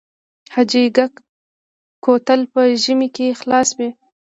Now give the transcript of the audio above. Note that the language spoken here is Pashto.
حاجي ګک کوتل په ژمي کې خلاص وي؟